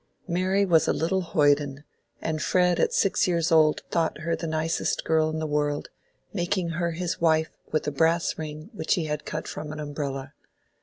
Mary was a little hoyden, and Fred at six years old thought her the nicest girl in the world, making her his wife with a brass ring which he had cut from an umbrella.